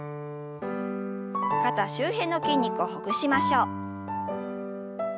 肩周辺の筋肉をほぐしましょう。